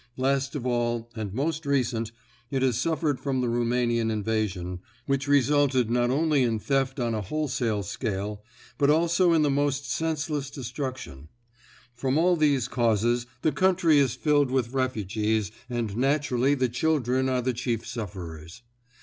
Last of all and most recent, it has suffered from the Roumanian invasion, which resulted not only in theft on a wholesale scale, but also in the most senseless destruction. From all these causes the country is filled with refugees and naturally the children are the chief sufferers.